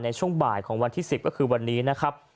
ในช่วงบ่ายของวันที่๑๐ก็คือวันนี้นะครับ